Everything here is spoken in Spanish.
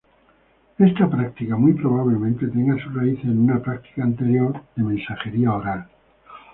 Esta práctica muy probablemente tenga sus raíces en una práctica anterior de mensajería oral.